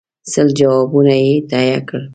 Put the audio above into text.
سل جوابونه یې تهیه کړل.